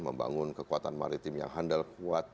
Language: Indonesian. membangun kekuatan maritim yang handal kuat